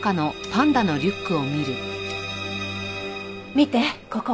見てここ。